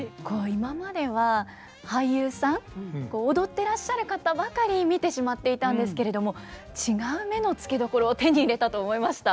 今までは俳優さん踊ってらっしゃる方ばかり見てしまっていたんですけれども違う目の付けどころを手に入れたと思いました。